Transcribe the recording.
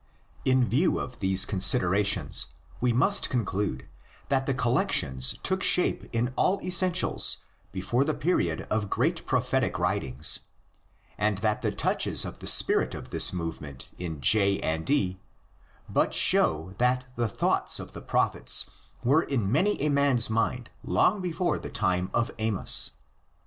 142 THE LEGENDS OF GENESIS. In view of these considerations we must conclude that the collections took shape in all essentials before the period of great Prophetic writings, and that the touches of the spirit of this movement in J and E but show that the thoughts of the Prophets were in many a man's mind long before the time of Amos.